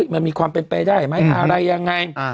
มันมีความเป็นไปได้ไหมอะไรยังไง